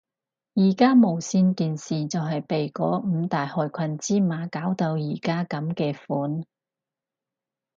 而家無線電視就係被嗰五大害群之馬搞到而家噉嘅款